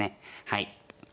はい。